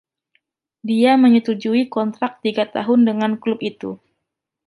Dia menyetujui kontrak tiga tahun dengan klub itu.